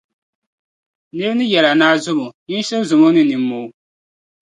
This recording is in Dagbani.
Nira yi yɛli a ni a zɔmi o, nyin shiri zɔmi o ni nimmoo.